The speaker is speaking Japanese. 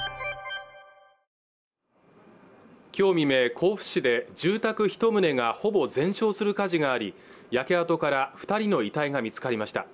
甲府市で住宅一棟がほぼ全焼する火事があり焼け跡から二人の遺体が見つかりました